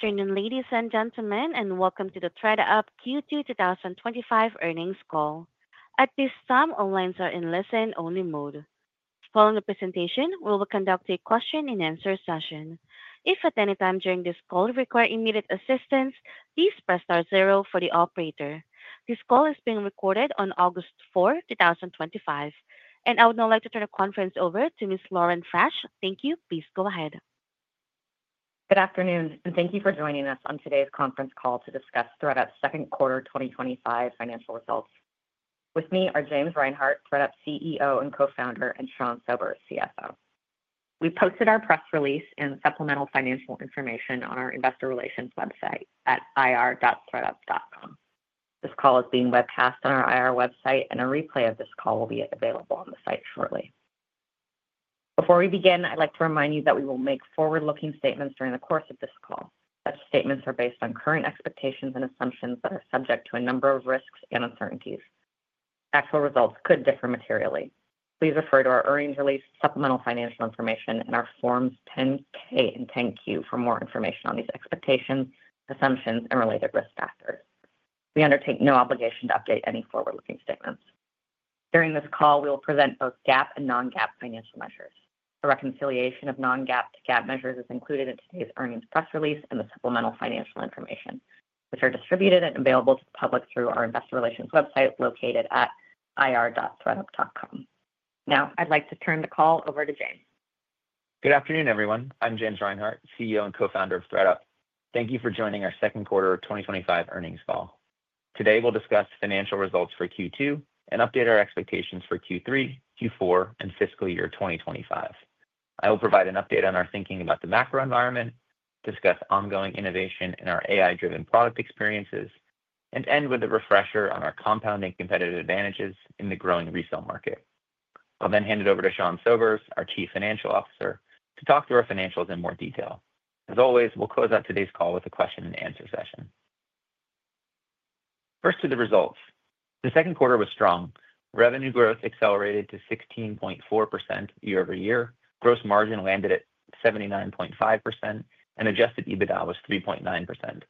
Good afternoon, ladies and gentlemen, and welcome to the ThredUp Q2 2025 Earnings Call. At this time, all lines are in listen-only mode. Following the presentation, we will conduct a question-and-answer session. If at any time during this call you require immediate assistance, please press star zero for the operator. This call is being recorded on August 4, 2025. I would now like to turn the conference over to Ms. Lauren Frasch. Thank you. Please go ahead. Good afternoon, and thank you for joining us on today's conference call to discuss ThredUp's second quarter 2025 financial results. With me are James Reinhart, ThredUp's CEO and co-founder, and Sean Sobers, CFO. We posted our press release and supplemental financial information on our investor relations website at ir.thredup.com. This call is being webcast on our IR website, and a replay of this call will be available on the site shortly. Before we begin, I'd like to remind you that we will make forward-looking statements during the course of this call. Such statements are based on current expectations and assumptions that are subject to a number of risks and uncertainties. Actual results could differ materially. Please refer to our earnings release, supplemental financial information, and our Forms 10-K and 10-Q for more information on these expectations, assumptions, and related risk factors. We undertake no obligation to update any forward-looking statements. During this call, we will present both GAAP and non-GAAP financial measures. The reconciliation of non-GAAP to GAAP measures is included in today's earnings press release and the supplemental financial information, which are distributed and available to the public through our investor relations website located at ir.thredup.com. Now, I'd like to turn the call over to James. Good afternoon, everyone. I'm James Reinhart, CEO and Co-founder of ThredUp. Thank you for joining our second quarter of 2025 earnings call. Today, we'll discuss financial results for Q2 and update our expectations for Q3, Q4, and fiscal year 2025. I will provide an update on our thinking about the macro environment, discuss ongoing innovation in our AI-driven product experiences, and end with a refresher on our compounding competitive advantages in the growing resale market. I'll then hand it over to Sean Sobers, our Chief Financial Officer, to talk through our financials in more detail. As always, we'll close out today's call with a question-and-answer session. First, to the results. The second quarter was strong. Revenue growth accelerated to 16.4% year-over-year, gross margin landed at 79.5%, and adjusted EBITDA was 3.9%,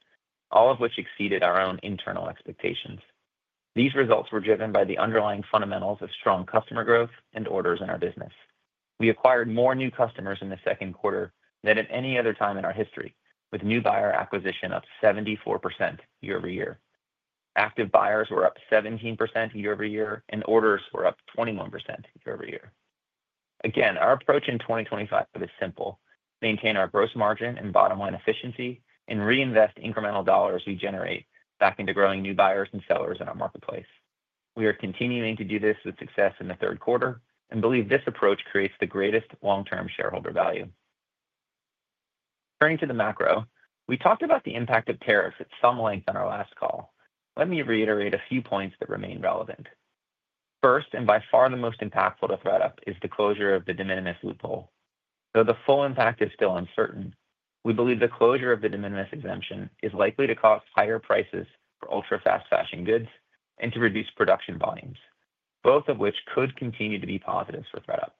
all of which exceeded our own internal expectations. These results were driven by the underlying fundamentals of strong customer growth and orders in our business. We acquired more new customers in the second quarter than at any other time in our history, with new buyer acquisition up 74% year-over-year. Active buyers were up 17% year-over-year, and orders were up 21% year-over-year. Again, our approach in 2025 is simple: maintain our gross margin and bottom-line efficiency and reinvest incremental dollars we generate back into growing new buyers and sellers in our marketplace. We are continuing to do this with success in the third quarter and believe this approach creates the greatest long-term shareholder value. Turning to the macro, we talked about the impact of tariffs at some length on our last call. Let me reiterate a few points that remain relevant. First, and by far the most impactful to ThredUp, is the closure of the de minimis loophole. Though the full impact is still uncertain, we believe the closure of the de minimis exemption is likely to cause higher prices for ultra-fast fashion goods and to reduce production volumes, both of which could continue to be positives for ThredUp.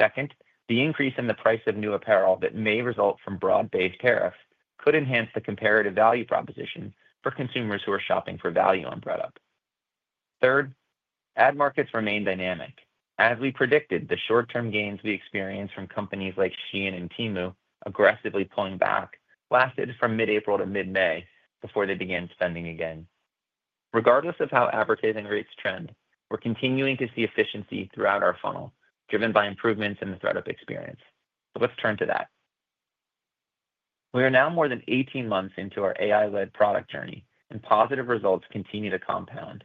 Second, the increase in the price of new apparel that may result from broad-baked tariffs could enhance the comparative value proposition for consumers who are shopping for value on ThredUp. Third, ad markets remain dynamic. As we predicted, the short-term gains we experienced from companies like Shein and Temu aggressively pulling back lasted from mid-April to mid-May before they began spending again. Regardless of how advertising rates trend, we're continuing to see efficiency throughout our funnel, driven by improvements in the ThredUp experience. Let's turn to that. We are now more than 18 months into our AI-led product journey, and positive results continue to compound.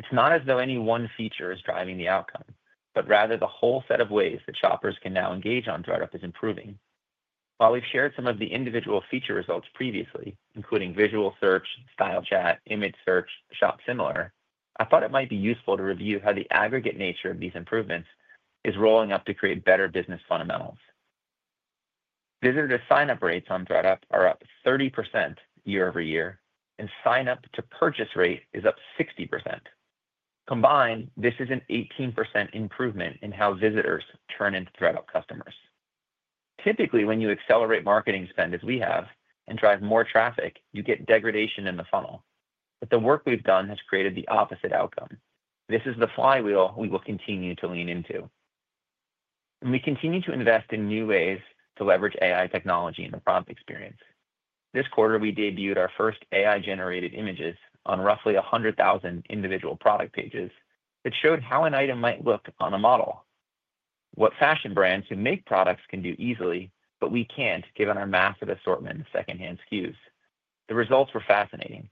It's not as though any one feature is driving the outcome, but rather the whole set of ways that shoppers can now engage on ThredUp is improving. While we've shared some of the individual feature results previously, including visual search, style chat, image search, shop similar, I thought it might be useful to review how the aggregate nature of these improvements is rolling up to create better business fundamentals. Visitor sign-up rates on ThredUp are up 30% year-over-year, and sign-up to purchase rate is up 60%. Combined, this is an 18% improvement in how visitors turn into ThredUp customers. Typically, when you accelerate marketing spend as we have and drive more traffic, you get degradation in the funnel. The work we've done has created the opposite outcome. This is the flywheel we will continue to lean into. We continue to invest in new ways to leverage AI technology in the product experience. This quarter, we debuted our first AI-generated images on roughly 100,000 individual product pages that showed how an item might look on a model. What fashion brands who make products can do easily, but we can't given our massive assortment of secondhand SKUs. The results were fascinating.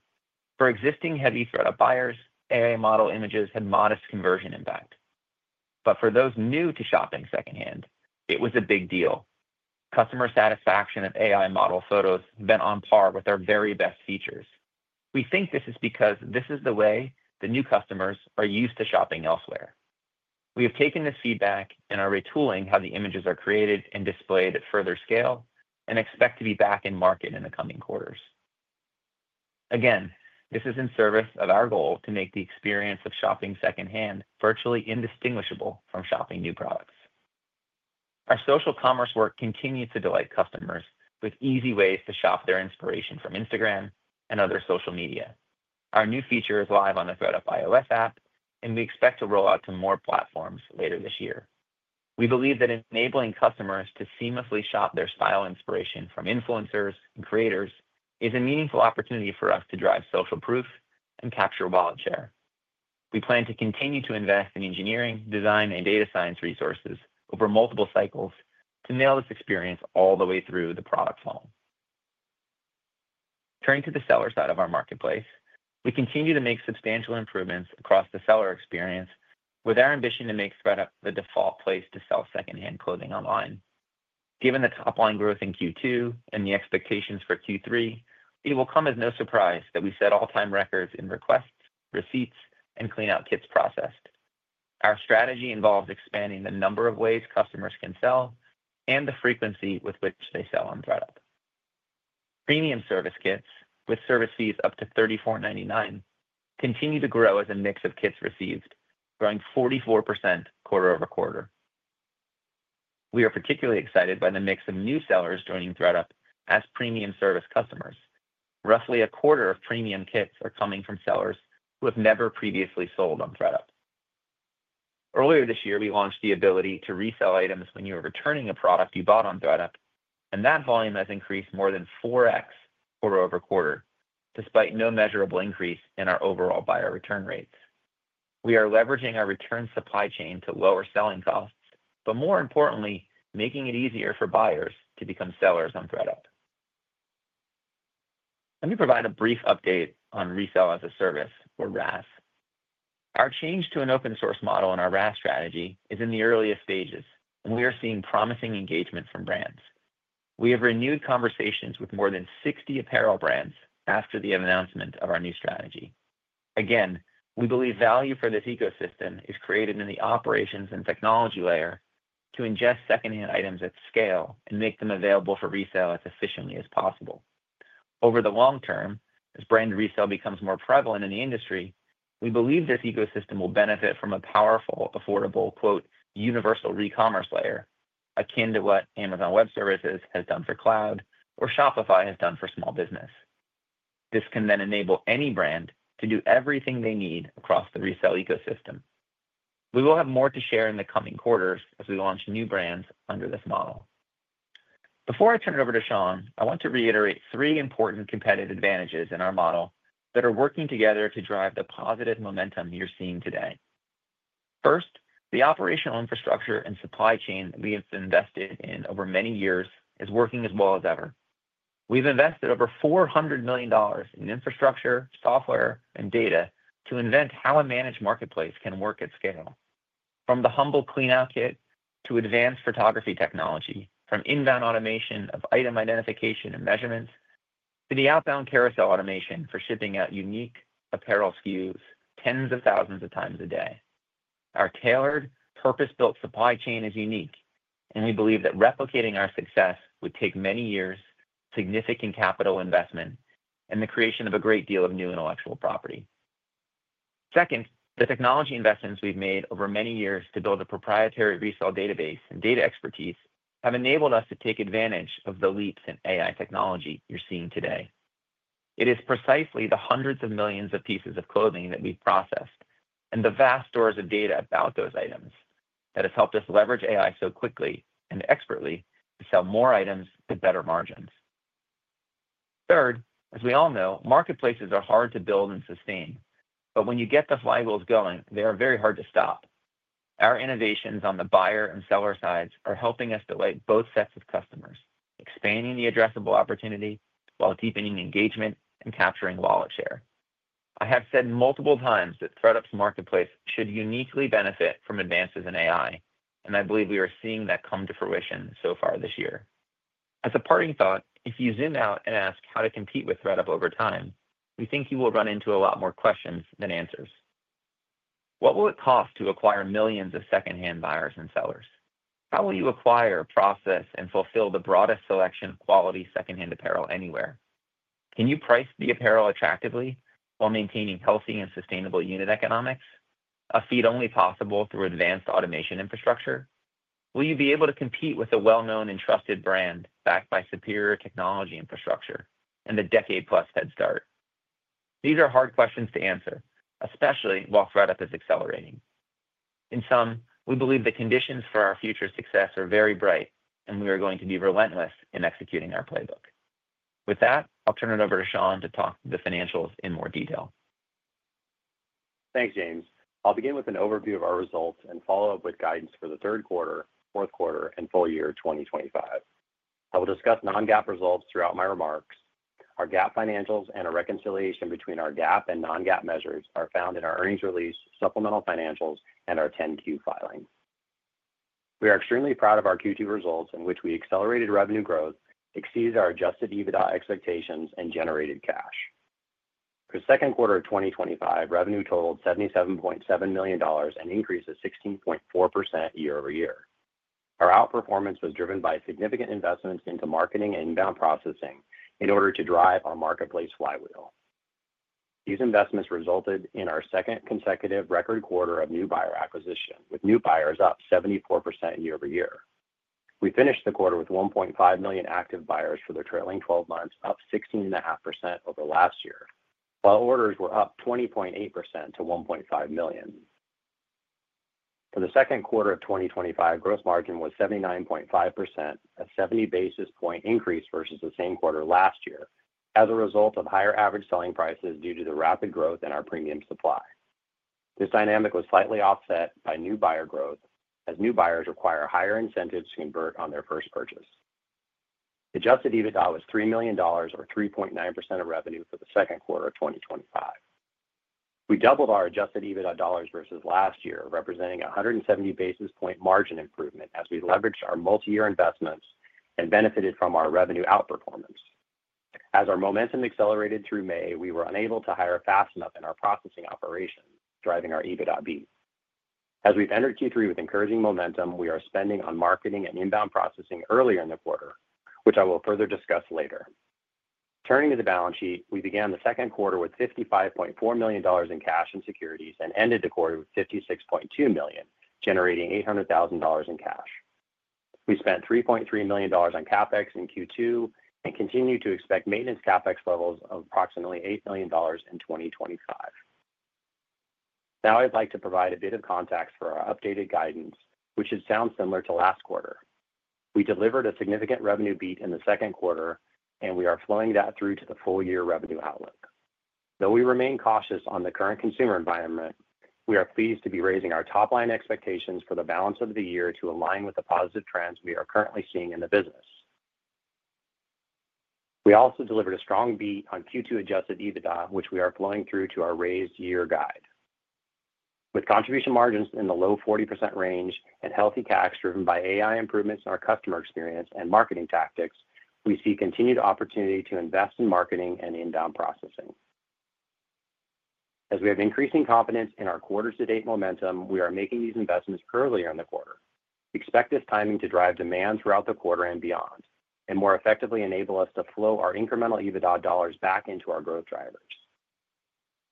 For existing heavy ThredUp buyers, AI model images had modest conversion impact. For those new to shopping secondhand, it was a big deal. Customer satisfaction of AI model photos went on par with our very best features. We think this is because this is the way the new customers are used to shopping elsewhere. We have taken this feedback and are retooling how the images are created and displayed at further scale and expect to be back in market in the coming quarters. This is in service of our goal to make the experience of shopping secondhand virtually indistinguishable from shopping new products. Our social commerce work continues to delight customers with easy ways to shop their inspiration from Instagram and other social media. Our new feature is live on the ThredUp iOS app, and we expect to roll out to more platforms later this year. We believe that enabling customers to seamlessly shop their style inspiration from influencers and creators is a meaningful opportunity for us to drive social proof and capture wild share. We plan to continue to invest in engineering, design, and data science resources over multiple cycles to nail this experience all the way through the product funnel. Turning to the seller side of our marketplace, we continue to make substantial improvements across the seller experience with our ambition to make ThredUp the default place to sell secondhand clothing online. Given the top-line growth in Q2 and the expectations for Q3, it will come as no surprise that we set all-time records in requests, receipts, and clean-out kits processed. Our strategy involves expanding the number of ways customers can sell and the frequency with which they sell on ThredUp. Premium service kits with service fees up to $34.99 continue to grow as a mix of kits received, growing 44% quarter-over-quarter. We are particularly excited by the mix of new sellers joining ThredUp as premium service customers. Roughly a quarter of premium kits are coming from sellers who have never previously sold on ThredUp. Earlier this year, we launched the ability to resell items when you were returning a product you bought on ThredUp, and that volume has increased more than 4x quarter-over-quarter, despite no measurable increase in our overall buyer return rates. We are leveraging our return supply chain to lower selling costs, but more importantly, making it easier for buyers to become sellers on ThredUp. Let me provide a brief update on Resale-as-a-Service, or RAS. Our change to an open-source model in our RAS strategy is in the earliest stages, and we are seeing promising engagement from brands. We have renewed conversations with more than 60 apparel brands after the announcement of our new strategy. Again, we believe value for this ecosystem is created in the operations and technology layer to ingest secondhand items at scale and make them available for resale as efficiently as possible. Over the long term, as brand resale becomes more prevalent in the industry, we believe this ecosystem will benefit from a powerful, affordable, "universal recommerce" layer, akin to what Amazon Web Services has done for cloud or Shopify has done for small business. This can then enable any brand to do everything they need across the resale ecosystem. We will have more to share in the coming quarters as we launch new brands under this model. Before I turn it over to Sean, I want to reiterate three important competitive advantages in our model that are working together to drive the positive momentum you're seeing today. First, the operational infrastructure and supply chain that we have invested in over many years is working as well as ever. We've invested over $400 million in infrastructure, software, and data to invent how a managed marketplace can work at scale. From the humble clean-out kit to advanced photography technology, from inbound automation of item identification and measurements to the outbound carousel automation for shipping out unique apparel SKUs tens of thousands of times a day, our tailored, purpose-built supply chain is unique, and we believe that replicating our success would take many years, significant capital investment, and the creation of a great deal of new intellectual property. Second, the technology investments we've made over many years to build a proprietary resale database and data expertise have enabled us to take advantage of the leaps in AI technology you're seeing today. It is precisely the hundreds of millions of pieces of clothing that we've processed and the vast stores of data about those items that have helped us leverage AI so quickly and expertly to sell more items at better margins. Third, as we all know, marketplaces are hard to build and sustain, but when you get the flywheels going, they are very hard to stop. Our innovations on the buyer and seller sides are helping us delight both sets of customers, expanding the addressable opportunity while deepening engagement and capturing wallet share. I have said multiple times that ThredUp's marketplace should uniquely benefit from advances in AI, and I believe we are seeing that come to fruition so far this year. As a parting thought, if you zoom out and ask how to compete with ThredUp over time, we think you will run into a lot more questions than answers. What will it cost to acquire millions of secondhand buyers and sellers? How will you acquire, process, and fulfill the broadest selection of quality secondhand apparel anywhere? Can you price the apparel attractively while maintaining healthy and sustainable unit economics, a feat only possible through advanced automation infrastructure? Will you be able to compete with a well-known and trusted brand backed by superior technology infrastructure and a decade-plus head start? These are hard questions to answer, especially while ThredUp is accelerating. In sum, we believe the conditions for our future success are very bright, and we are going to be relentless in executing our playbook. With that, I'll turn it over to Sean to talk to the financials in more detail. Thanks, James. I'll begin with an overview of our results and follow up with guidance for the third quarter, fourth quarter, and full year 2025. I will discuss non-GAAP results throughout my remarks. Our GAAP financials and a reconciliation between our GAAP and non-GAAP measures are found in our earnings release, supplemental financials, and our 10-Q filing. We are extremely proud of our Q2 results, in which we accelerated revenue growth, exceeded our adjusted EBITDA expectations, and generated cash. For the second quarter of 2025, revenue totaled $77.7 million and increased to 16.4% year-over-year. Our outperformance was driven by significant investments into marketing and inbound processing in order to drive our marketplace flywheel. These investments resulted in our second consecutive record quarter of new buyer acquisition, with new buyers up 74% year-over-year. We finished the quarter with 1.5 million active buyers for the trailing 12 months, up 16.5% over last year, while orders were up 20.8% to 1.5 million. For the second quarter of 2025, gross margin was 79.5%, a 70 basis point increase versus the same quarter last year, as a result of higher average selling prices due to the rapid growth in our premium supply. This dynamic was slightly offset by new buyer growth, as new buyers require higher incentives to convert on their first purchase. The adjusted EBITDA was $3 million, or 3.9% of revenue for the second quarter of 2025. We doubled our adjusted EBITDA dollars versus last year, representing a 170 basis point margin improvement as we leveraged our multi-year investments and benefited from our revenue outperformance. As our momentum accelerated through May, we were unable to hire fast enough in our processing operations, driving our EBITDA beat. As we've entered Q3 with encouraging momentum, we are spending on marketing and inbound processing earlier in the quarter, which I will further discuss later. Turning to the balance sheet, we began the second quarter with $55.4 million in cash and securities and ended the quarter with $56.2 million, generating $800,000 in cash. We spent $3.3 million on CapEx in Q2 and continue to expect maintenance CapEx levels of approximately $8 million in 2025. Now I'd like to provide a bit of context for our updated guidance, which should sound similar to last quarter. We delivered a significant revenue beat in the second quarter, and we are flowing that through to the full year revenue outlook. Though we remain cautious on the current consumer environment, we are pleased to be raising our top-line expectations for the balance of the year to align with the positive trends we are currently seeing in the business. We also delivered a strong beat on Q2 adjusted EBITDA, which we are flowing through to our raised year guide. With contribution margins in the low 40% range and healthy CACs driven by AI improvements in our customer experience and marketing tactics, we see continued opportunity to invest in marketing and inbound processing. As we have increasing confidence in our quarter-to-date momentum, we are making these investments earlier in the quarter. We expect this timing to drive demand throughout the quarter and beyond and more effectively enable us to flow our incremental EBITDA dollars back into our growth drivers.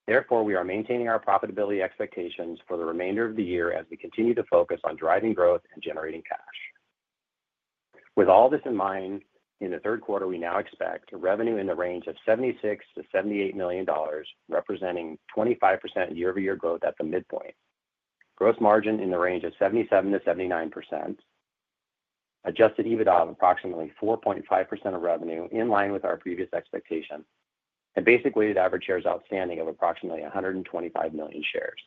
Therefore, we are maintaining our profitability expectations for the remainder of the year as we continue to focus on driving growth and generating cash. With all this in mind, in the third quarter, we now expect revenue in the range of $76 million-$78 million, representing 25% year-over-year growth at the midpoint. Gross margin in the range of 77%-79%. Adjusted EBITDA of approximately 4.5% of revenue, in line with our previous expectation, and basic weighted average shares outstanding of approximately 125 million shares.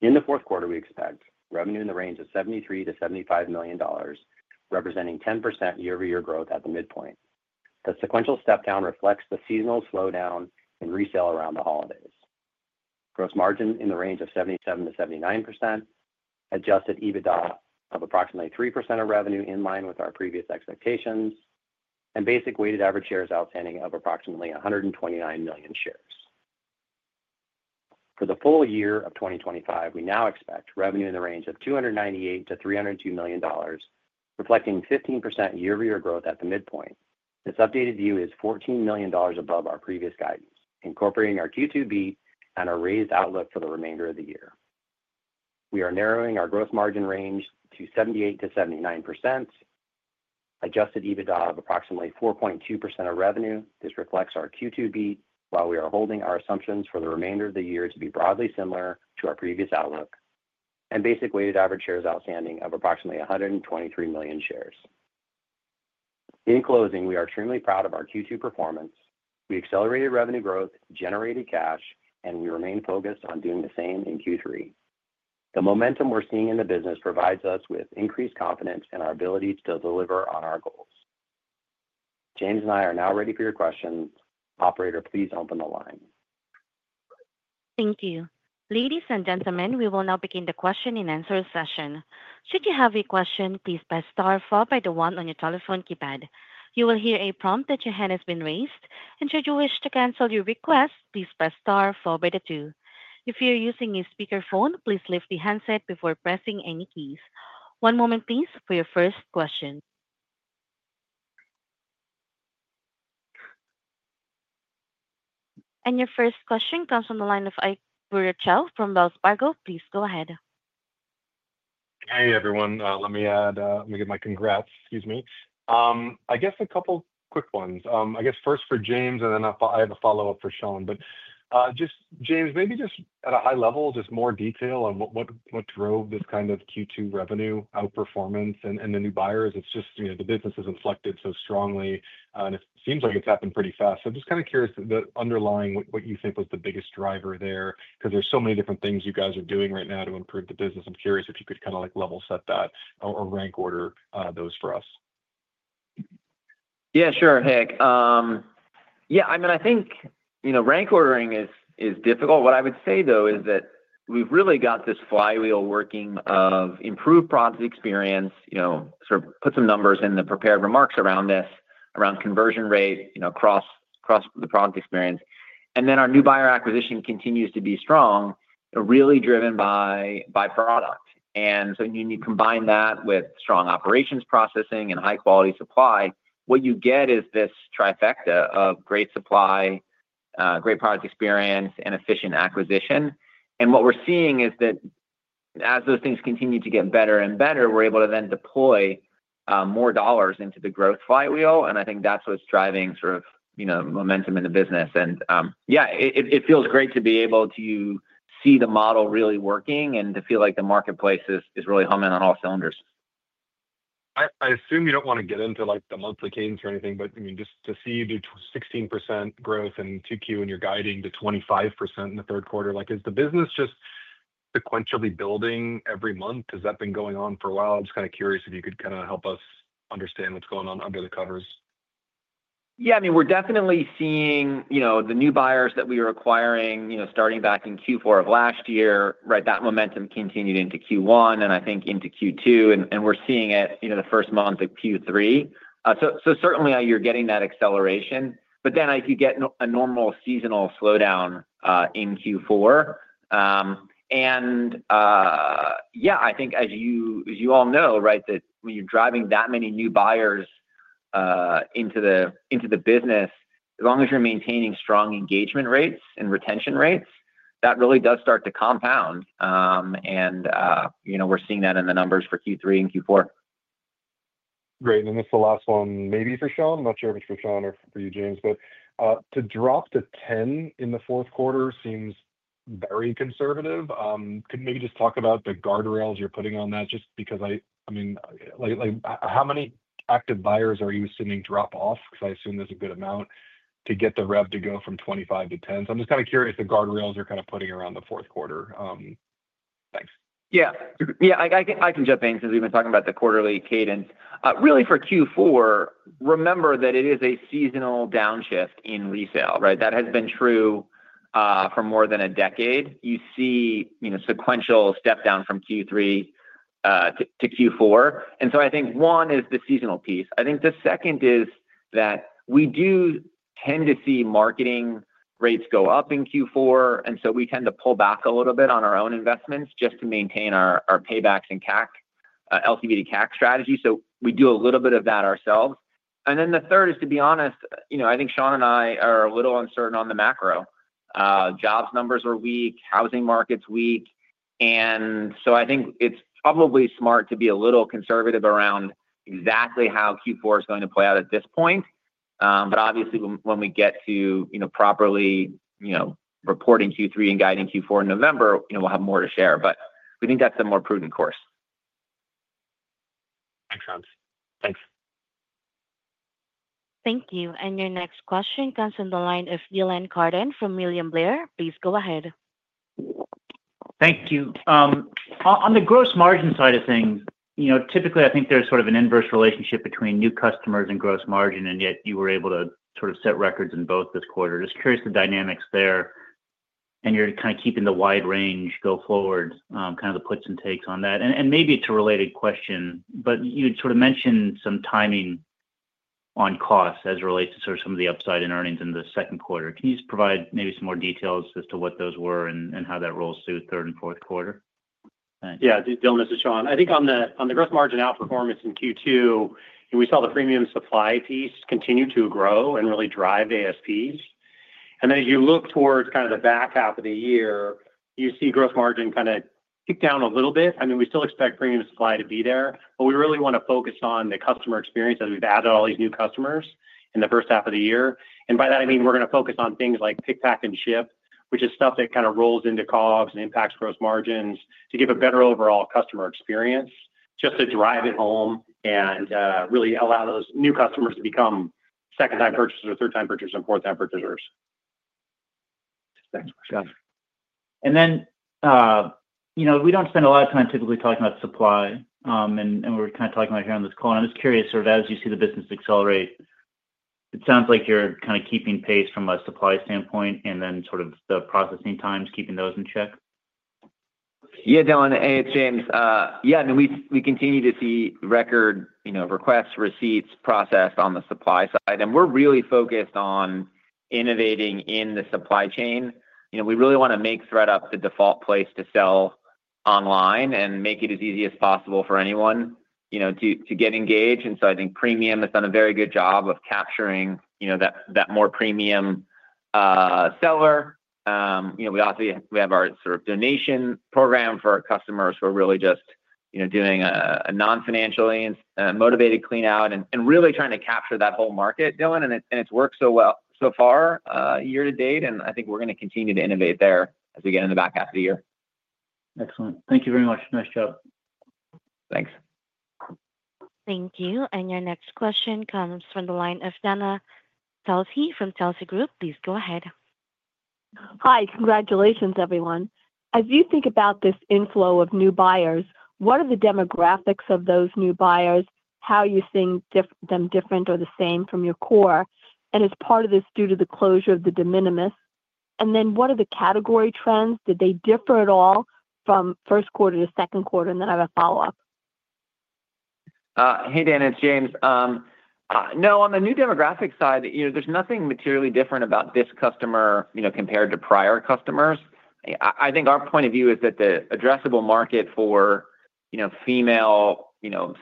In the fourth quarter, we expect revenue in the range of $73 million-$75 million, representing 10% year-over-year growth at the midpoint. The sequential step-down reflects the seasonal slowdown in resale around the holidays. Gross margin in the range of 77%-79%. Adjusted EBITDA of approximately 3% of revenue, in line with our previous expectations, and basic weighted average shares outstanding of approximately 129 million shares. For the full year of 2025, we now expect revenue in the range of $298 million-$302 million, reflecting 15% year-over-year growth at the midpoint. This updated view is $14 million above our previous guidance, incorporating our Q2 beat and our raised outlook for the remainder of the year. We are narrowing our gross margin range to 78%-79%. Adjusted EBITDA of approximately 4.2% of revenue. This reflects our Q2 beat, while we are holding our assumptions for the remainder of the year to be broadly similar to our previous outlook, and basic weighted average shares outstanding of approximately 123 million shares. In closing, we are extremely proud of our Q2 performance. We accelerated revenue growth, generated cash, and we remain focused on doing the same in Q3. The momentum we're seeing in the business provides us with increased confidence in our ability to deliver on our goals. James and I are now ready for your questions. Operator, please open the line. Thank you. Ladies and gentlemen, we will now begin the question-and-answer session. Should you have a question, please press star four by the one on your telephone keypad. You will hear a prompt that your hand has been raised, and should you wish to cancel your request, please press star four by the two. If you're using a speakerphone, please lift the handset before pressing any keys. One moment, please, for your first question. Your first question comes from the line of Ike Boruchow from Wells Fargo. Please go ahead. Hey, everyone. Let me give my congrats. Excuse me. I guess a couple quick ones. First for James, and then I have a follow-up for Sean. James, maybe just at a high level, just more detail on what drove this kind of Q2 revenue outperformance and the new buyers. The business has inflected so strongly, and it seems like it's happened pretty fast. I'm just kind of curious the underlying what you think was the biggest driver there, because there's so many different things you guys are doing right now to improve the business. I'm curious if you could kind of like level set that or rank order those for us. Yeah, sure. Yeah, I mean, I think, you know, rank ordering is difficult. What I would say, though, is that we've really got this flywheel working of improved product experience. You know, sort of put some numbers in the prepared remarks around this, around conversion rate, you know, across the product experience. Our new buyer acquisition continues to be strong, really driven by product. When you combine that with strong operations processing and high-quality supply, what you get is this trifecta of great supply, great product experience, and efficient acquisition. What we're seeing is that as those things continue to get better and better, we're able to then deploy more dollars into the growth flywheel. I think that's what's driving sort of, you know, momentum in the business. Yeah, it feels great to be able to see the model really working and to feel like the marketplace is really humming on all cylinders. I assume you don't want to get into the monthly cadence or anything, but just to see the 16% growth in Q2 and you're guiding to 25% in the third quarter, is the business just sequentially building every month? Has that been going on for a while? I'm just curious if you could help us understand what's going on under the covers. Yeah, I mean, we're definitely seeing the new buyers that we are acquiring, starting back in Q4 of last year, right? That momentum continued into Q1, and I think into Q2. We're seeing it the first month of Q3. Certainly you're getting that acceleration. If you get a normal seasonal slowdown in Q4, I think as you all know, right, that when you're driving that many new buyers into the business, as long as you're maintaining strong engagement rates and retention rates, that really does start to compound. We're seeing that in the numbers for Q3 and Q4. Great. This is the last one, maybe for Sean, I'm not sure if it's for Sean or for you, James, but to drop to 10% in the fourth quarter seems very conservative. Maybe just talk about the guardrails you're putting on that because I mean, like how many active buyers are you sending drop-off? I assume there's a good amount to get the rev to go from 25% to 10%. I'm just kind of curious if the guardrails you're putting around the fourth quarter. Thanks. Yeah, I can jump in because we've been talking about the quarterly cadence. Really for Q4, remember that it is a seasonal downshift in resale, right? That has been true for more than a decade. You see a sequential step-down from Q3 to Q4. I think one is the seasonal piece. The second is that we do tend to see marketing rates go up in Q4, and we tend to pull back a little bit on our own investments just to maintain our paybacks and CAC, LTV-to-CAC strategy. We do a little bit of that ourselves. The third is, to be honest, I think Sean and I are a little uncertain on the macro. Jobs numbers are weak, housing market's weak. I think it's probably smart to be a little conservative around exactly how Q4 is going to play out at this point. Obviously, when we get to properly reporting Q3 and guiding Q4 in November, we'll have more to share. We think that's a more prudent course. Makes sense. Thanks. Thank you. Your next question comes from the line of Dylan Carden from William Blair. Please go ahead. Thank you. On the gross margin side of things, you know, typically I think there's sort of an inverse relationship between new customers and gross margin, yet you were able to sort of set records in both this quarter. Just curious the dynamics there. You're kind of keeping the wide range going forward, kind of the puts and takes on that. Maybe it's a related question, but you had sort of mentioned some timing on costs as it relates to some of the upside in earnings in the second quarter. Can you just provide maybe some more details as to what those were and how that rolls through third and fourth quarter? Thanks. This is Sean. I think on the gross margin outperformance in Q2, we saw the premium supply piece continue to grow and really drive ASPs. As you look towards the back half of the year, you see gross margin kind of kick down a little bit. We still expect premium supply to be there, but we really want to focus on the customer experience as we've added all these new customers in the first half of the year. By that, I mean we're going to focus on things like pick, pack, and ship, which is stuff that rolls into COGS and impacts gross margins to give a better overall customer experience just to drive it home and really allow those new customers to become second-time purchasers, or third-time purchasers, or fourth-time purchasers. Got it. You know, we don't spend a lot of time typically talking about supply. We're kind of talking about it here on this call. I'm just curious, as you see the business accelerate, it sounds like you're kind of keeping pace from a supply standpoint and the processing times, keeping those in check. Yeah, Dylan. Hey, it's James. Yeah, I mean, we continue to see record requests, receipts processed on the supply side. We're really focused on innovating in the supply chain. We really want to make ThredUp the default place to sell online and make it as easy as possible for anyone to get engaged. I think premium has done a very good job of capturing that more premium seller. We obviously have our donation program for our customers who are really just doing a non-financially motivated clean-out and really trying to capture that whole market, Dylan. It's worked so well so far year to date. I think we're going to continue to innovate there as we get into the back half of the year. Excellent. Thank you very much. Nice job. Thanks. Thank you. Your next question comes from the line of Dana Telsey from Telsey Group. Please go ahead. Hi. Congratulations, everyone. As you think about this inflow of new buyers, what are the demographics of those new buyers? How are you seeing them different or the same from your core? Is part of this due to the closure of the de minimis? What are the category trends? Did they differ at all from first quarter to second quarter? I have a follow-up. Hey, Dana. It's James. On the new demographic side, there's nothing materially different about this customer compared to prior customers. I think our point of view is that the addressable market for female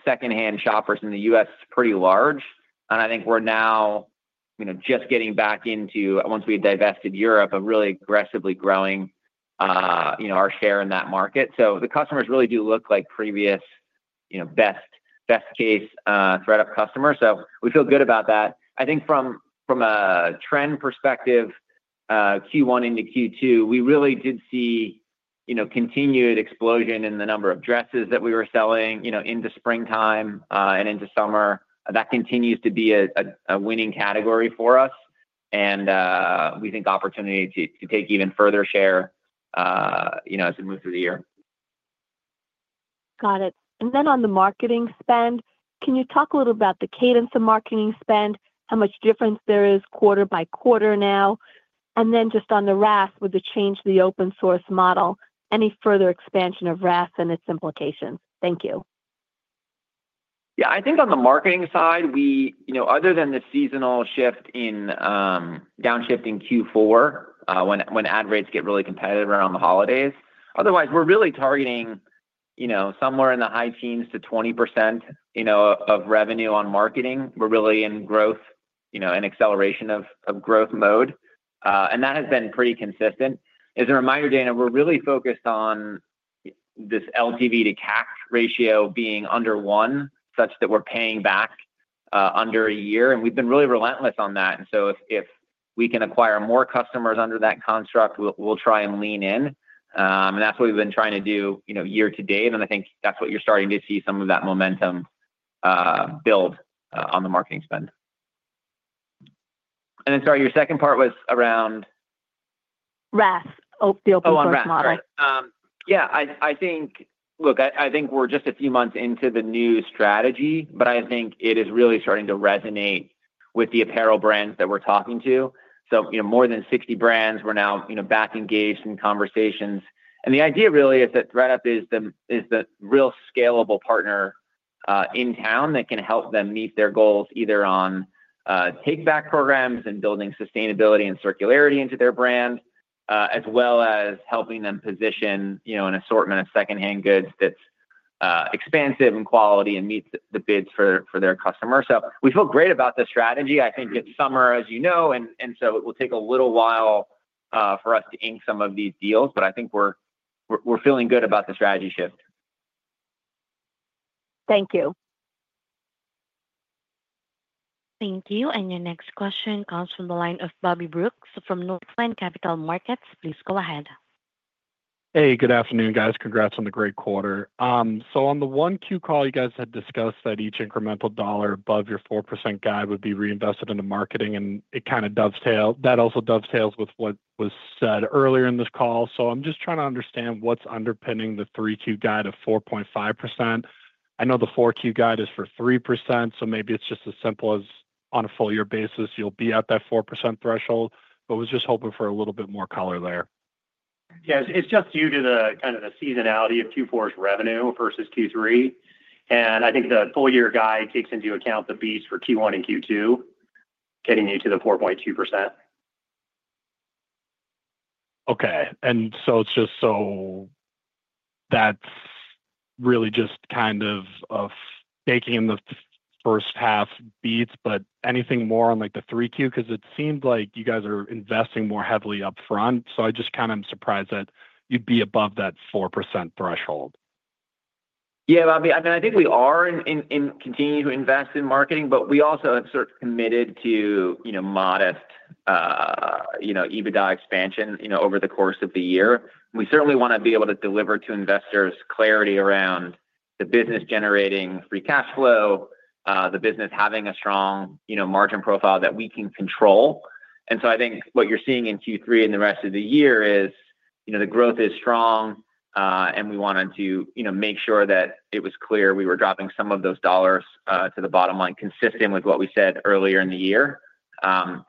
secondhand shoppers in the U.S. is pretty large. I think we're now just getting back into, once we divested Europe, really aggressively growing our share in that market. The customers really do look like previous best-case ThredUp customers, so we feel good about that. I think from a trend perspective, Q1 into Q2, we really did see continued explosion in the number of dresses that we were selling into springtime and into summer. That continues to be a winning category for us, and we think opportunity to take even further share as we move through the year. Got it. On the marketing spend, can you talk a little bit about the cadence of marketing spend, how much difference there is quarter by quarter now? On the RAS with the change to the open-source model, any further expansion of RAS and its implications? Thank you. Yeah, I think on the marketing side, other than the seasonal shift in downshifting Q4, when ad rates get really competitive around the holidays, otherwise, we're really targeting somewhere in the high teens to 20% of revenue on marketing. We're really in growth and acceleration of growth mode, and that has been pretty consistent. As a reminder, Dana, we're really focused on this LTV-to-CAC ratio being under one, such that we're paying back under a year. We've been really relentless on that. If we can acquire more customers under that construct, we'll try and lean in. That's what we've been trying to do year to date. I think that's what you're starting to see, some of that momentum build on the marketing spend. Then sorry, your second part was around? RAS, the open-source model. Yeah, I think we're just a few months into the new strategy, but I think it is really starting to resonate with the apparel brands that we're talking to. More than 60 brands are now back engaged in conversations. The idea really is that ThredUp is the real scalable partner in town that can help them meet their goals either on take-back programs and building sustainability and circularity into their brand, as well as helping them position an assortment of secondhand goods that's expansive in quality and meet the bids for their customers. We feel great about the strategy. I think it's summer, as you know, and it will take a little while for us to ink some of these deals, but I think we're feeling good about the strategy shift. Thank you. Thank you. Your next question comes from the line of Bobby Brooks from Northland Capital Markets. Please go ahead. Hey, good afternoon, guys. Congrats on the great quarter. On the 1Q call, you guys had discussed that each incremental dollar above your 4% guide would be reinvested into marketing, and it kind of dovetails. That also dovetails with what was said earlier in this call. I'm just trying to understand what's underpinning the 3Q guide of 4.5%. I know the 4Q guide is for 3%, so maybe it's just as simple as on a full-year basis, you'll be at that 4% threshold, but I was just hoping for a little bit more color there. Yeah, it's just due to the kind of the seasonality of Q4's revenue versus Q3. I think the full-year guide takes into account the beats for Q1 and Q2, getting you to the 4.2%. Okay, it's just that's really just kind of a staking in the first half beats, but anything more on like the 3Q? It seems like you guys are investing more heavily up front. I just kind of am surprised that you'd be above that 4% threshold. Yeah, I mean, I think we are continuing to invest in marketing, but we also have sort of committed to, you know, modest, you know, EBITDA expansion, you know, over the course of the year. We certainly want to be able to deliver to investors clarity around the business generating free cash flow, the business having a strong, you know, margin profile that we can control. I think what you're seeing in Q3 and the rest of the year is, you know, the growth is strong, and we wanted to, you know, make sure that it was clear we were dropping some of those dollars to the bottom line consistent with what we said earlier in the year. To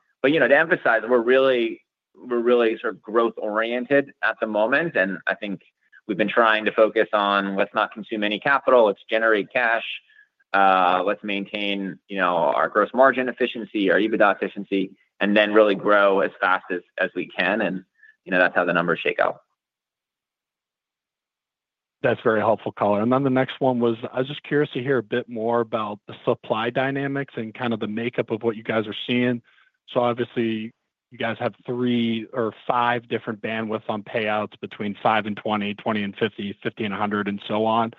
emphasize that we're really, we're really sort of growth-oriented at the moment. I think we've been trying to focus on let's not consume any capital, let's generate cash, let's maintain, you know, our gross margin efficiency, our EBITDA efficiency, and then really grow as fast as we can. You know, that's how the numbers shake out. That's very helpful color. The next one was, I was just curious to hear a bit more about the supply dynamics and kind of the makeup of what you guys are seeing. Obviously, you guys have three or five different bandwidths on payouts between $5 and $20, $20 and $50, $50 and $100, and so on,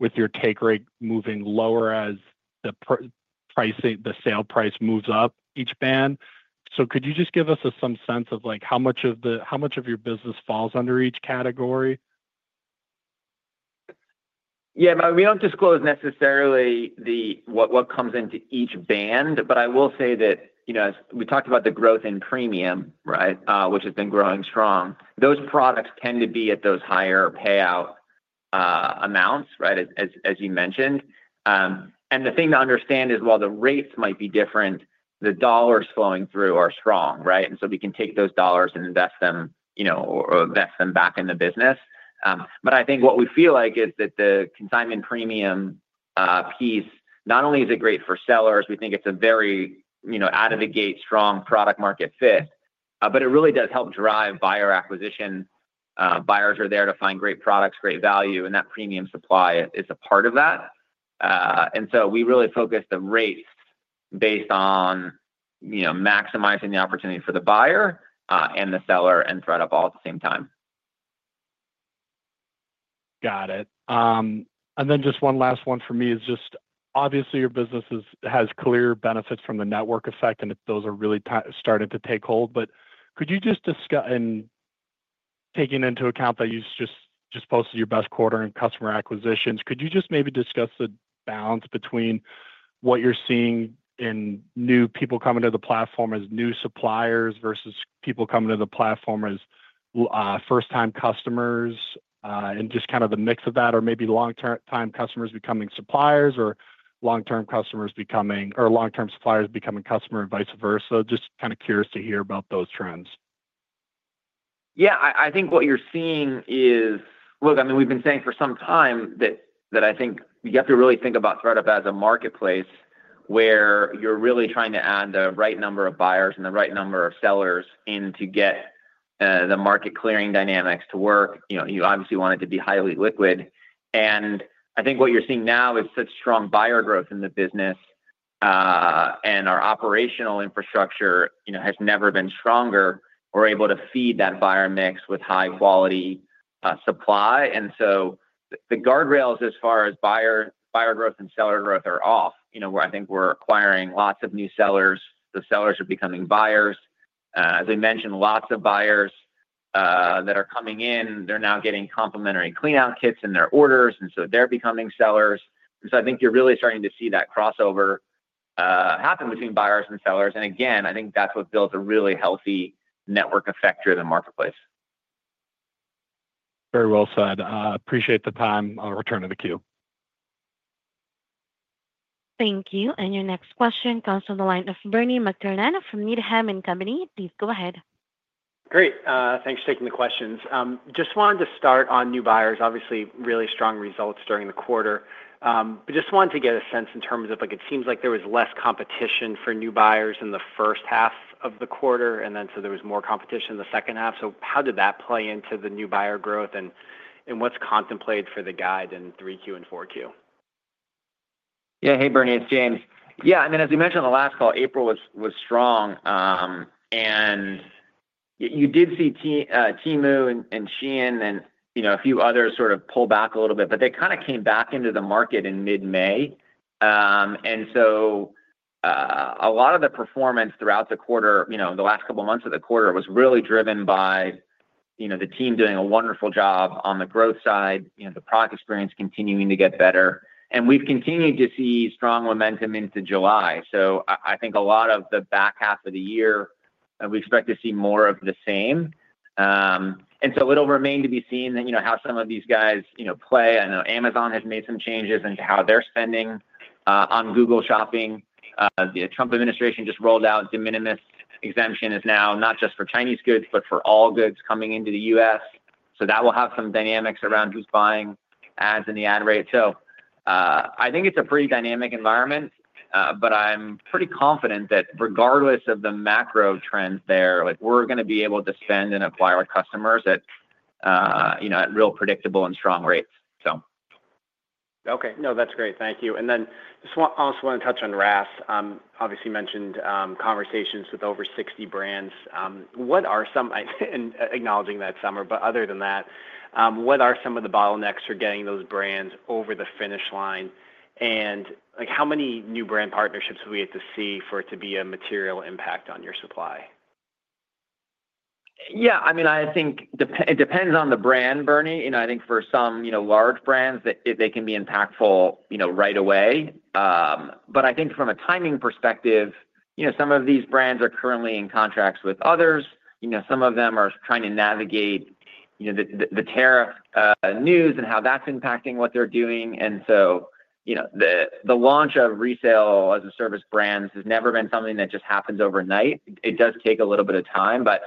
with your take rate moving lower as the pricing, the sale price moves up each band. Could you just give us some sense of how much of your business falls under each category? Yeah, we don't disclose necessarily what comes into each band, but I will say that, you know, as we talked about the growth in premium, right, which has been growing strong, those products tend to be at those higher payout amounts, right, as you mentioned. The thing to understand is while the rates might be different, the dollars flowing through are strong, right? We can take those dollars and invest them, you know, or invest them back in the business. I think what we feel like is that the consignment premium piece, not only is it great for sellers, we think it's a very, you know, out-of-the-gate strong product-market fit, but it really does help drive buyer acquisition. Buyers are there to find great products, great value, and that premium supply is a part of that. We really focus the rates based on, you know, maximizing the opportunity for the buyer and the seller and ThredUp all at the same time. Got it. Just one last one for me is just obviously your business has clear benefits from the network effect, and those are really starting to take hold. Could you just discuss, and taking into account that you just posted your best quarter in customer acquisitions, could you just maybe discuss the balance between what you're seeing in new people coming to the platform as new suppliers versus people coming to the platform as first-time customers and just kind of the mix of that, or maybe long-term customers becoming suppliers or long-term customers becoming or long-term suppliers becoming customer and vice versa? Just kind of curious to hear about those trends. Yeah, I think what you're seeing is, look, we've been saying for some time that I think you have to really think about ThredUp as a marketplace where you're really trying to add the right number of buyers and the right number of sellers in to get the market clearing dynamics to work. You obviously want it to be highly liquid. I think what you're seeing now is such strong buyer growth in the business, and our operational infrastructure has never been stronger. We're able to feed that buyer mix with high-quality supply. The guardrails as far as buyer growth and seller growth are off, where I think we're acquiring lots of new sellers. The sellers are becoming buyers. As I mentioned, lots of buyers that are coming in, they're now getting complimentary clean-out kits in their orders, and they're becoming sellers. I think you're really starting to see that crossover happen between buyers and sellers. I think that's what builds a really healthy network effect through the marketplace. Very well said. Appreciate the time. I'll return to the queue. Thank you. Your next question comes from the line of Bernie McTernan from Needham & Company. Please go ahead. Great. Thanks for taking the questions. Just wanted to start on new buyers, obviously really strong results during the quarter. I just wanted to get a sense in terms of like, it seems like there was less competition for new buyers in the first half of the quarter, and then there was more competition in the second half. How did that play into the new buyer growth and what's contemplated for the guide in 3Q and 4Q? Yeah, hey Bernie, it's James. As we mentioned in the last call, April was strong. You did see Temu and Shein and a few others sort of pull back a little bit, but they kind of came back into the market in mid-May. A lot of the performance throughout the quarter, the last couple of months of the quarter, was really driven by the team doing a wonderful job on the growth side, the product experience continuing to get better. We've continued to see strong momentum into July. I think a lot of the back half of the year, we expect to see more of the same. It will remain to be seen how some of these guys play. I know Amazon has made some changes into how they're spending on Google Shopping. The Trump administration just rolled out de minimis exemption is now not just for Chinese goods, but for all goods coming into the U.S. That will have some dynamics around who's buying ads in the ad rate. I think it's a pretty dynamic environment, but I'm pretty confident that regardless of the macro trends there, we're going to be able to spend and acquire customers at real predictable and strong rates. Okay. No, that's great. Thank you. I just want to also touch on RAS. Obviously, you mentioned conversations with over 60 brands. What are some, and acknowledging that, but other than that, what are some of the bottlenecks for getting those brands over the finish line? Like how many new brand partnerships will we get to see for it to be a material impact on your supply? Yeah, I mean, I think it depends on the brand, Bernie. I think for some large brands that they can be impactful right away. From a timing perspective, some of these brands are currently in contracts with others. Some of them are trying to navigate the tariff news and how that's impacting what they're doing. The launch of Resale-as-a-Service brands has never been something that just happens overnight. It does take a little bit of time, but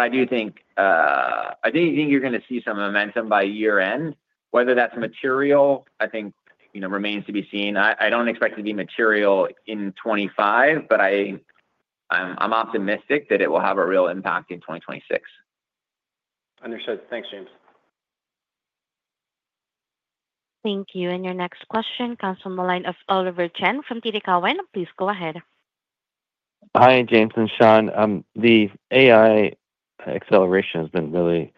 I do think you're going to see some momentum by year-end. Whether that's material, I think remains to be seen. I don't expect it to be material in 2025, but I'm optimistic that it will have a real impact in 2026. Understood. Thanks, James. Thank you. Your next question comes from the line of Oliver Chen from TD Cowen. Please go ahead. Hi, James and Sean. The AI acceleration has been really,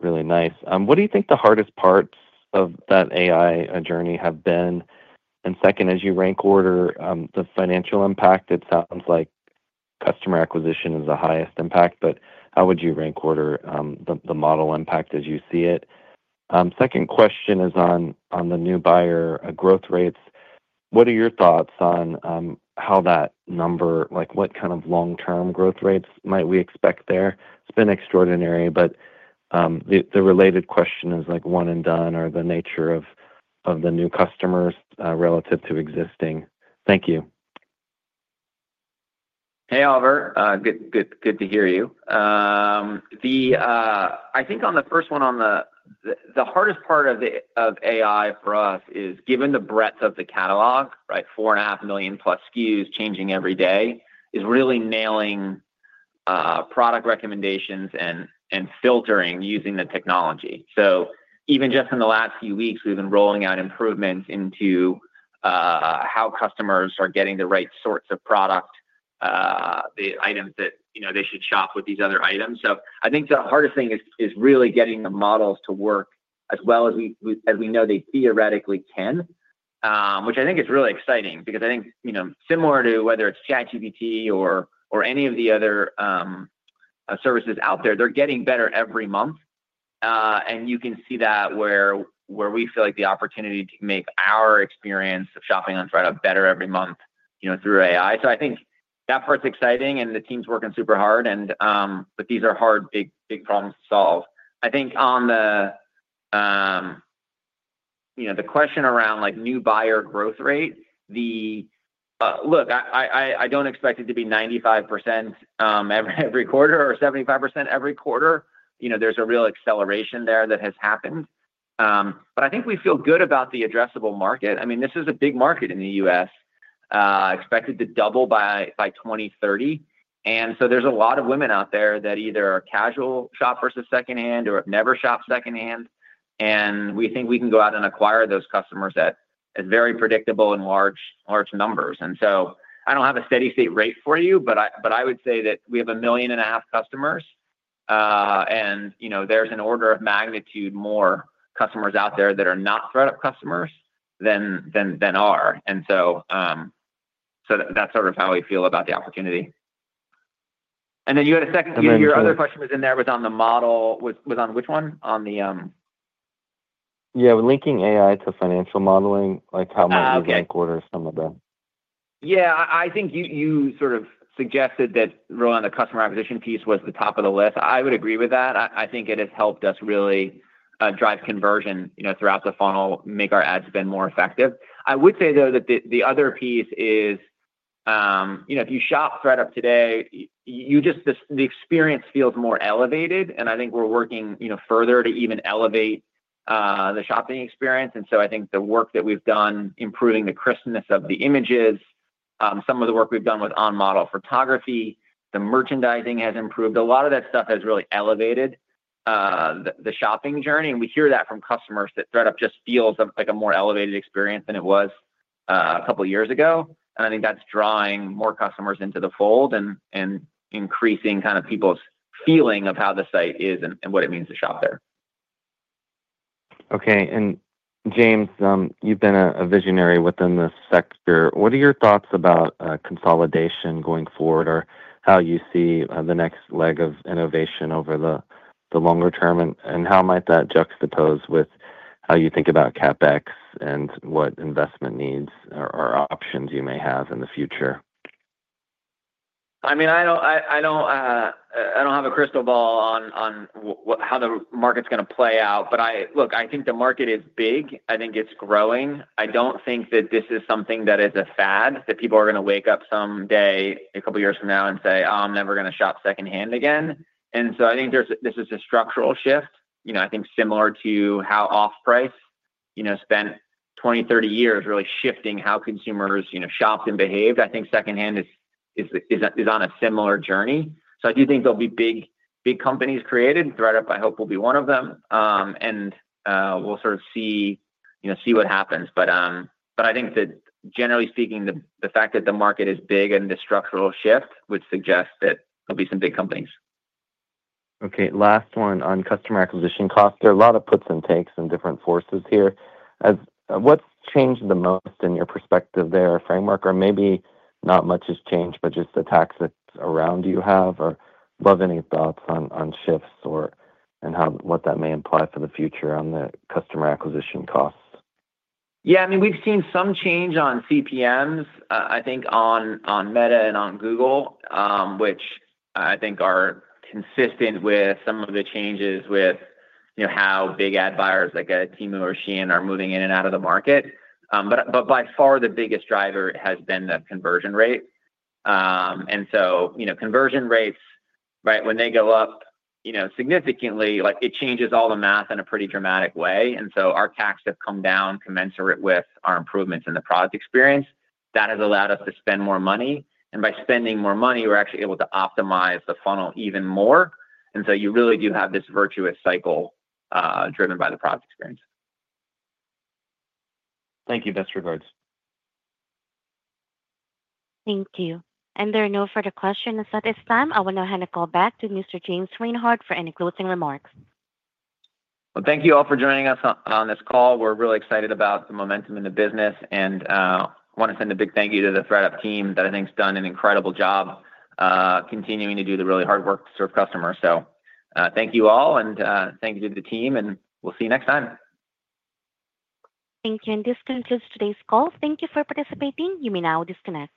really nice. What do you think the hardest parts of that AI journey have been? As you rank order the financial impact, it sounds like customer acquisition is the highest impact, but how would you rank order the model impact as you see it? The next question is on the new buyer growth rates. What are your thoughts on how that number, like what kind of long-term growth rates might we expect there? It's been extraordinary, but the related question is like one and done or the nature of the new customers relative to existing. Thank you. Hey, Oliver. Good to hear you. I think on the first one, the hardest part of AI for us is given the breadth of the catalog, right? 4.5+ million SKUs changing every day is really nailing product recommendations and filtering using the technology. Even just in the last few weeks, we've been rolling out improvements into how customers are getting the right sorts of product, the items that, you know, they should shop with these other items. I think the hardest thing is really getting the models to work as well as we know they theoretically can, which I think is really exciting because, you know, similar to whether it's ChatGPT or any of the other services out there, they're getting better every month. You can see that where we feel like the opportunity to make our experience of shopping on ThredUp better every month, you know, through AI. I think that part's exciting and the team's working super hard. These are hard, big, big problems to solve. I think on the question around new buyer growth rate, look, I don't expect it to be 95% every quarter or 75% every quarter. There's a real acceleration there that has happened. I think we feel good about the addressable market. I mean, this is a big market in the U.S., expected to double by 2030. There are a lot of women out there that either casual shop versus secondhand or have never shopped secondhand. We think we can go out and acquire those customers at very predictable and large numbers. I don't have a steady-state rate for you, but I would say that we have a million and a half customers. There's an order of magnitude more customers out there that are not ThredUp customers than are. That's sort of how we feel about the opportunity. Then you had a second, your other question was in there with on the model, was on which one? On the. Yeah, linking AI to financial modeling, like how might we rank order some of the. Yeah, I think you sort of suggested that really on the customer acquisition piece was the top of the list. I would agree with that. I think it has helped us really drive conversion throughout the funnel, make our ad spend more effective. I would say though that the other piece is, if you shop ThredUp today, the experience feels more elevated. I think we're working further to even elevate the shopping experience. I think the work that we've done improving the crispness of the images, some of the work we've done with on-model photography, the merchandising has improved. A lot of that stuff has really elevated the shopping journey. We hear that from customers that ThredUp just feels like a more elevated experience than it was a couple of years ago. I think that's drawing more customers into the fold and increasing kind of people's feeling of how the site is and what it means to shop there. Okay. James, you've been a visionary within this sector. What are your thoughts about consolidation going forward or how you see the next leg of innovation over the longer term, and how might that juxtapose with how you think about CapEx and what investment needs or options you may have in the future? I mean, I don't have a crystal ball on how the market's going to play out. Look, I think the market is big. I think it's growing. I don't think that this is something that is a fad, that people are going to wake up someday a couple of years from now and say, "Oh, I'm never going to shop secondhand again." I think this is a structural shift. I think similar to how off-price spent 20 or 30 years really shifting how consumers shopped and behaved, secondhand is on a similar journey. I do think there'll be big, big companies created. ThredUp, I hope, will be one of them. We'll sort of see what happens. I think that generally speaking, the fact that the market is big and the structural shift would suggest that there'll be some big companies. Okay. Last one on customer acquisition cost. There are a lot of puts and takes and different forces here. What's changed the most in your perspective there or framework, or maybe not much has changed, but just the tactics around you have, or do you have any thoughts on shifts and what that may imply for the future on the customer acquisition cost? Yeah, I mean, we've seen some change on CPMs, I think on Meta and on Google, which I think are consistent with some of the changes with how big ad buyers like Temu or Shein are moving in and out of the market. By far, the biggest driver has been that conversion rate. Conversion rates, right, when they go up significantly, it changes all the math in a pretty dramatic way. Our CACs have come down commensurate with our improvements in the product experience. That has allowed us to spend more money. By spending more money, we're actually able to optimize the funnel even more. You really do have this virtuous cycle driven by the product experience. Thank you. Best regards. Thank you. There are no further questions at this time. I will now hand the call back to Mr. James Reinhart for any closing remarks. Thank you all for joining us on this call. We're really excited about the momentum in the business and want to send a big thank you to the ThredUp team that I think has done an incredible job continuing to do the really hard work to serve customers. Thank you all and thank you to the team, and we'll see you next time. Thank you. This concludes today's call. Thank you for participating. You may now disconnect.